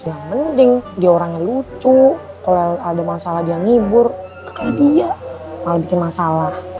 yang penting dia orangnya lucu kalau ada masalah dia ngibur ke kayak dia malah bikin masalah